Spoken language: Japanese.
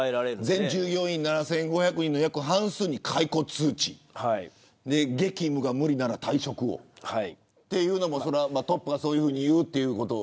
全従業員の約半数に解雇通知激務が無理なら退職をというのもトップがそういうふうに言うということ。